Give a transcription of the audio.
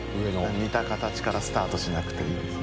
似た形からスタートしなくていいですよ。